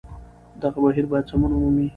دغه بهير بايد سمون ومومي